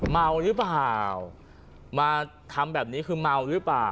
เมาหรือเปล่ามาทำแบบนี้คือเมาหรือเปล่า